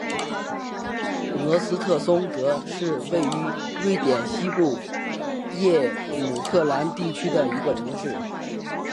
厄斯特松德是位于瑞典西部耶姆特兰地区的一个城市。